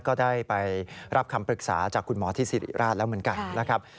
ก็ได้ไปรับคำปรึกษาจากคุณหมอที่สิริราชแล้วเหมือนกันนะครับ